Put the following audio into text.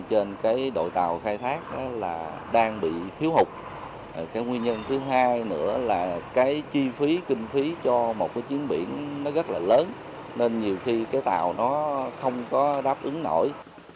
cái nguyên nhân thứ hai nữa là cái chi phí kinh phí cho một cái chiến biển nó rất là lớn nên nhiều khi cái tàu nó không có đáp ứng nổi